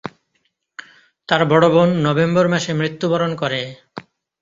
তার বড় বোন নভেম্বর মাসে মৃত্যুবরণ করে।